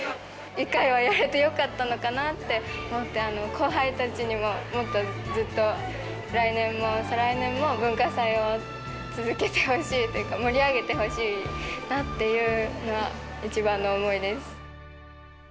１回はやれてよかったのかなって思って、後輩たちにももっとずっと、来年も再来年も文化祭を続けてほしいというか、盛り上げてほしいなっていうのは、一番の思いです。